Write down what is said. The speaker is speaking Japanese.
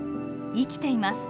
生きています。